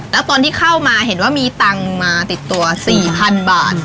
แล้วตอนที่เข้ามาเห็นว่ามีตังค์มาติดตัว๔๐๐๐บาท